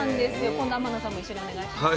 今度天野さんも一緒にお願いします。